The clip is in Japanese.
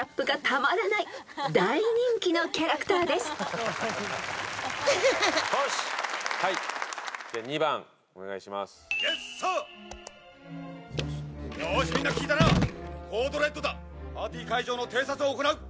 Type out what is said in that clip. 「パーティー会場の偵察を行う。